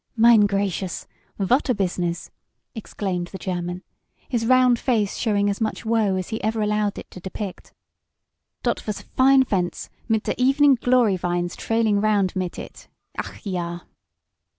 "Mine gracious! Vot a business!" exclaimed the German, his round face showing as much woe as he ever allowed it to depict. "Dot vos a fine fence, mit der evening glory vines trailing 'round mit it. Ach, yah!"